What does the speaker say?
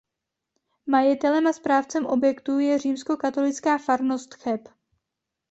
Majitelem a správcem objektu je Římskokatolická farnost Cheb.